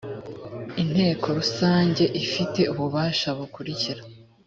inteko rusange ifite ububasha bukurikira